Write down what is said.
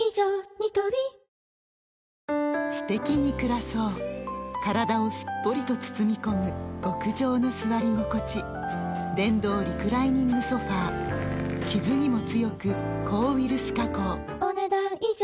ニトリすてきに暮らそう体をすっぽりと包み込む極上の座り心地電動リクライニングソファ傷にも強く抗ウイルス加工お、ねだん以上。